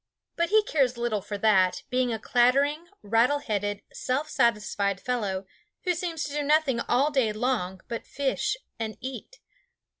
But he cares little for that, being a clattering, rattle headed, self satisfied fellow, who seems to do nothing all day long but fish and eat.